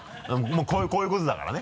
もうこういうことだからね。